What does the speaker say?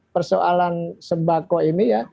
persoalan sembako ini ya